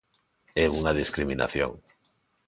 É unha discriminación.